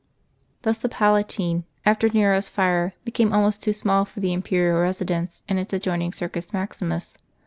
Thus the Palatine, after Nero's fire, became almost too small for the Imperial residence and its adjoining Circus Maximus.